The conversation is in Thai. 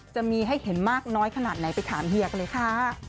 จะมีให้เห็นมากน้อยขนาดไหนไปถามเฮียกันเลยค่ะ